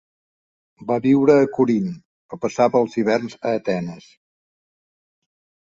Va viure a Corint, però passava els hiverns a Atenes.